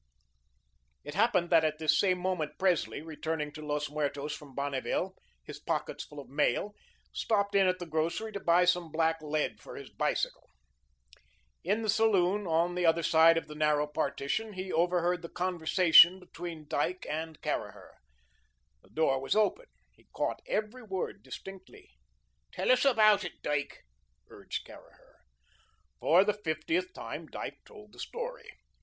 It happened that at this same moment, Presley, returning to Los Muertos from Bonneville, his pockets full of mail, stopped in at the grocery to buy some black lead for his bicycle. In the saloon, on the other side of the narrow partition, he overheard the conversation between Dyke and Caraher. The door was open. He caught every word distinctly. "Tell us all about it, Dyke," urged Caraher. For the fiftieth time Dyke told the story.